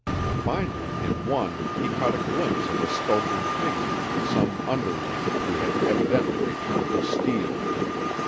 Finally, in one he caught a glimpse of a skulking figure, some underling, who had evidently returned to steal.